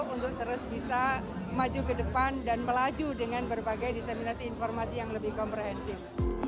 untuk terus bisa maju ke depan dan melaju dengan berbagai diseminasi informasi yang lebih komprehensif